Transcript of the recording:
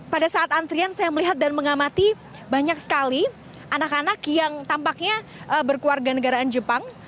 pada saat antrian saya melihat dan mengamati banyak sekali anak anak yang tampaknya berkeluarga negaraan jepang